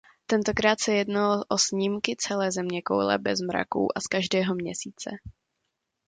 Tentokrát se jednalo o snímky celé zeměkoule bez mraků a z každého měsíce.